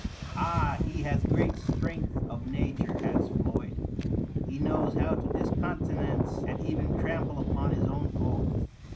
Ah, he has great strength of nature, has Floyd. He knows how to discountenance and even trample upon his own faults